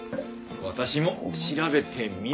私も調べてみます！